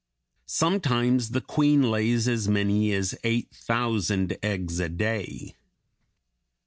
Sometimes the queen lays as many as eight thousand eggs a day.